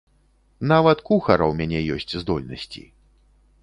Нават кухара ў мяне ёсць здольнасці.